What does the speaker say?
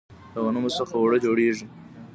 له غنمو څخه اوړه جوړیږي.